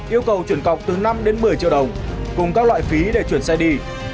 yêu cầu chuyển cọc từ năm đến một mươi triệu đồng cùng các loại phí để chuyển xe đi